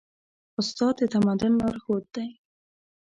استاد د تمدن لارښود دی.